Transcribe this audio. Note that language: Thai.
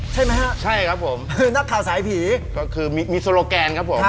ใช่ไหมครับนักข่าวสายผีคือมีโซโลแกนครับผม